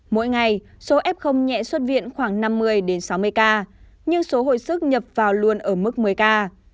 mỗi ngày số f nhẹ xuất viện khoảng năm mươi sáu mươi ca nhưng số hồi sức nhập vào luôn ở mức một mươi ca